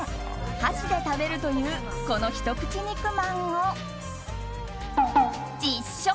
箸で食べるというこのひと口肉まんを実食。